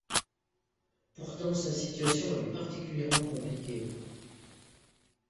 Pourtant sa situation est particulièrement compliquée.